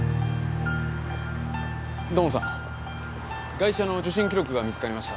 ガイシャの受診記録が見つかりました。